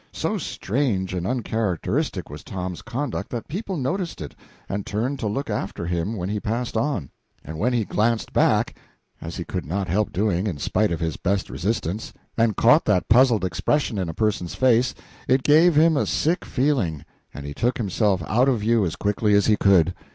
So strange and uncharacteristic was Tom's conduct that people noticed it, and turned to look after him when he passed on; and when he glanced back as he could not help doing, in spite of his best resistance and caught that puzzled expression in a person's face, it gave him a sick feeling, and he took himself out of view as quickly as he could.